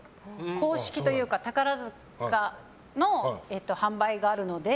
公式というか宝塚の販売があるので。